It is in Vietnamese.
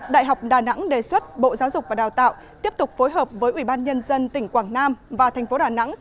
đại học đà nẵng đề xuất bộ giáo dục và đào tạo tiếp tục phối hợp với ubnd tỉnh quảng nam và thành phố đà nẵng